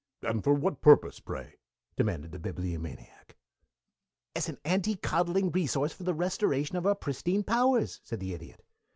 "And for what purpose, pray?" demanded the Bibliomaniac. "As an anti coddling resource for the restoration of our pristine powers," said the Idiot.